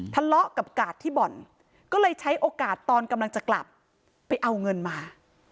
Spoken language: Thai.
ทะเลาะกับกาดที่บ่อนก็เลยใช้โอกาสตอนกำลังจะกลับไปเอาเงินมา